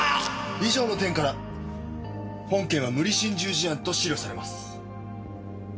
以上の点から本件は無理心中事案と思料されます。